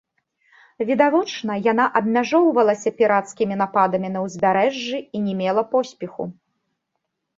Відавочна, яна абмяжоўвалася пірацкімі нападамі на ўзбярэжжы і не мела поспеху.